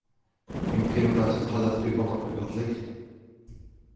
أيمكنك أن تتحدث ببطئ من فضلك ؟